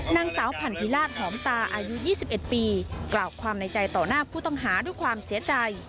นางสาวพันธิราชหอมตาอายุ๒๑ปีกล่าวความในใจต่อหน้าผู้ต้องหาด้วยความเสียใจ